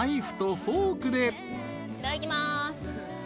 いただきまーす。